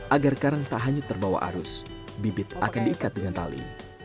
agar karang tak hanya terbawa arus bibit akan diikat dengan tali